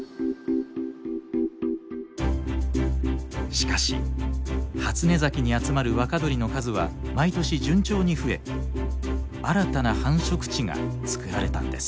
しかし初寝崎に集まる若鳥の数は毎年順調に増え新たな繁殖地がつくられたんです。